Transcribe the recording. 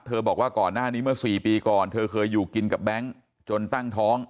บอกว่าก่อนหน้านี้เมื่อ๔ปีก่อนเธอเคยอยู่กินกับแบงค์จนตั้งท้อง